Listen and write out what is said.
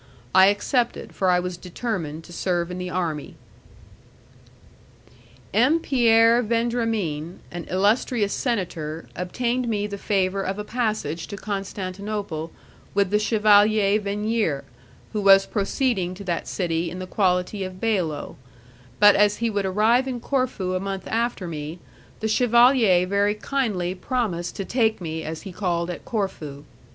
I accepted, for I was determined to serve in the army. M. Pierre Vendramin, an illustrious senator, obtained me the favour of a passage to Constantinople with the Chevalier Venier, who was proceeding to that city in the quality of bailo, but as he would arrive in Corfu a month after me, the chevalier very kindly promised to take me as he called at Corfu.